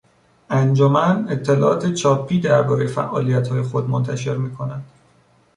انجمن اطلاعات چاپی دربارهی فعالیتهای خود منتشر میکند.